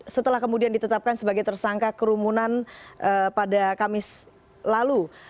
setelah kemudian ditetapkan sebagai tersangka kerumunan pada kamis lalu